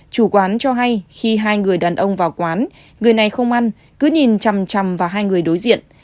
chủ quán cho hay khi hai người đàn ông vào quán người này không ăn cứ nhìn chầm chầm vào hai người đối diện